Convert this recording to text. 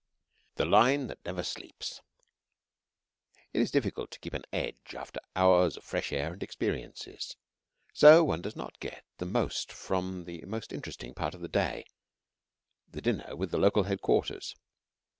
THE LINE THAT NEVER SLEEPS It is difficult to keep an edge after hours of fresh air and experiences; so one does not get the most from the most interesting part of the day the dinner with the local headquarters.